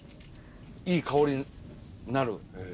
いい香りになる？